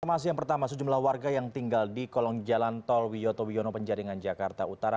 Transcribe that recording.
informasi yang pertama sejumlah warga yang tinggal di kolong jalan tol wiyoto wiono penjaringan jakarta utara